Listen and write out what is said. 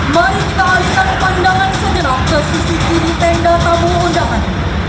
mari kita alihkan pandangan sejenak ke sisi kiri tank dan tamu undangan